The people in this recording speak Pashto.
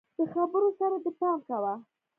د خبرو سره دي پام کوه!